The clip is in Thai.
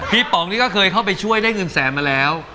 ป๋องนี่ก็เคยเข้าไปช่วยได้เงินแสนมาแล้ว